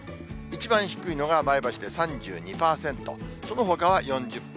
一番低いのが前橋で３２％、そのほかは４０％台。